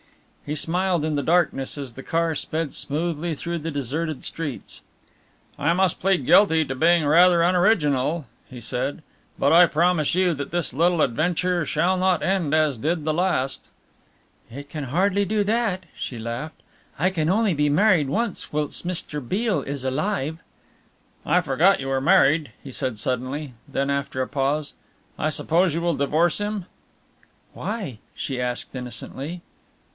He smiled in the darkness as the car sped smoothly through the deserted streets. "I must plead guilty to being rather unoriginal," he said, "but I promise you that this little adventure shall not end as did the last." "It can hardly do that," she laughed, "I can only be married once whilst Mr. Beale is alive." "I forgot you were married," he said suddenly, then after a pause, "I suppose you will divorce him?" "Why?" she asked innocently.